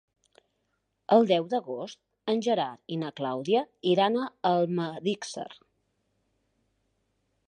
El deu d'agost en Gerard i na Clàudia iran a Almedíxer.